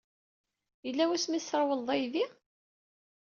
Yella wasmi ay tesrewleḍ aydi?